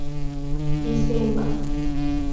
Tangazo la rais Obama la mwezi Disemba